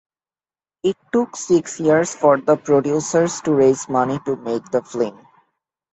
It took six years for the producers to raise money to make the film.